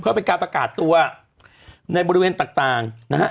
เพื่อเป็นการประกาศตัวในบริเวณต่างนะฮะ